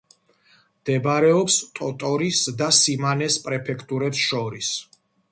მდებარეობს ტოტორის და სიმანეს პრეფექტურებს შორის.